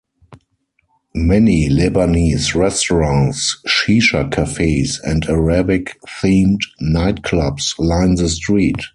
Many Lebanese restaurants, "shisha" cafes and Arabic-themed nightclubs line the street.